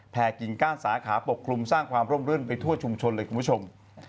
แผ่กิ่งก้านสาขาปกคลุมสร้างความร่มรื่นไปทั่วชุมชน